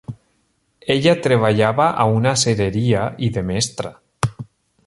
Ella treballava a una acereria i de mestra.